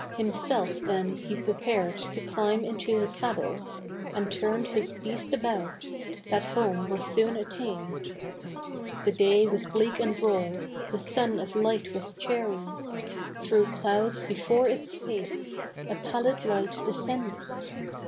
Himself then he prepared to climb into his saddle, And turned his beast about, that home were soon attained. The day was bleak and raw; the sun of light was chary; Through clouds before its face, a pallid light descended.